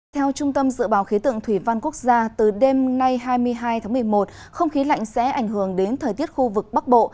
theo trung tâm dự báo khí tượng thủy văn quốc gia từ đêm nay hai mươi hai tháng một mươi một không khí lạnh sẽ ảnh hưởng đến thời tiết khu vực bắc bộ